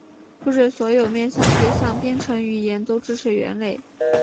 不是所有面向对象编程语言都支持元类。